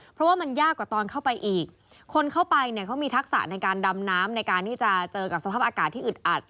เพราะว่ามันยากกว่าตอนเข้าไปอีกคนเข้าไปเนี่ยเขามีทักษะในการดำน้ำในการที่จะเจอกับสภาพอากาศที่อึดอัด